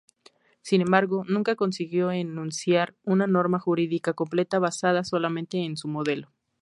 Sin embargo nunca consiguió enunciar una norma jurídica completa basada solamente en su modelo.